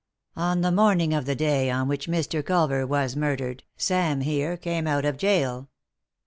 " On the morning of the day on which Mr. Culver was murdered, Sam here came out of gaol."